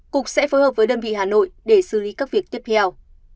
cục sẽ phối hợp với đơn vị hà nội để xử lý các việc tiếp theo